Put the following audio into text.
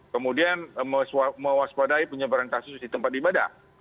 kemudian mewaspadai penyebaran kasus di tempat ibadah